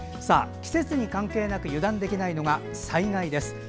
季節に関係なく油断できないのが災害です。